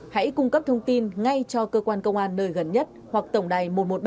hãy cung cấp thông tin ngay cho cơ quan công an nơi gần nhất hoặc tổng đài một trăm một mươi ba